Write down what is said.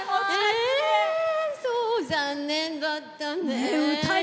えー残念だったね。